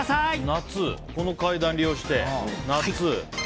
夏この階段を利用して？